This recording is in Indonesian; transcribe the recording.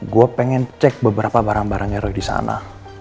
gue pengen cek beberapa barang barangnya di sana